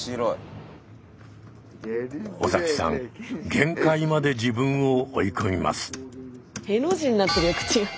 限界まで自分を追い込みます。